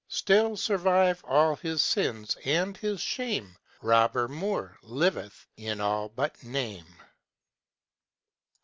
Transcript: Still survive all his sins and his shame Robber Moor liveth in all but name.